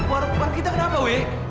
warung kita kenapa wih